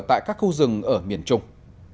tại các khu rừng ở miền trung